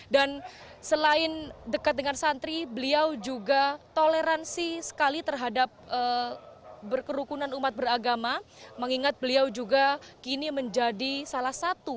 dan selain dekat dengan santri beliau juga toleransi sekali terhadap berkerukunan umat beragama mengingat beliau juga kini menjadi salah satu